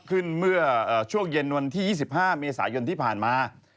เมื่อช่วงเย็นวันที่๒๕เมษายนที่ผ่านมา